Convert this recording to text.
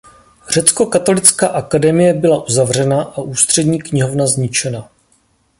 Řeckokatolická akademie byla uzavřena a Ústřední knihovna zničena.